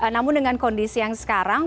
namun dengan kondisi yang sekarang